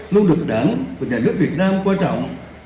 luôn được đảng và nhà nước việt nam quan trọng